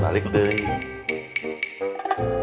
balik deh ya